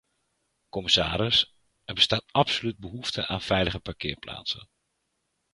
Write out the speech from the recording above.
Commissaris, er bestaat absoluut behoefte aan veilige parkeerplaatsen.